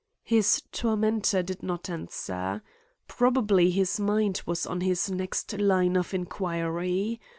His tormentor did not answer. Probably his mind was on his next line of inquiry.